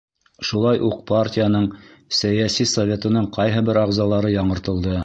Шулай уҡ партияның сәйәси советының ҡайһы бер ағзалары яңыртылды.